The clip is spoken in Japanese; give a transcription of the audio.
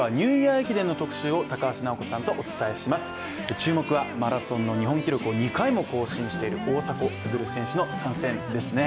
注目はマラソンの日本記録を２回も更新している大迫傑選手の参戦ですね。